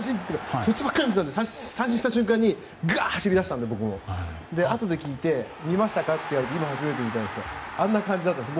そっちばかり見ていたので三振した瞬間に僕も走り出したのであとで聞いて見ましたか？と言われて今、初めて見たんですけどあんな感じだったんです。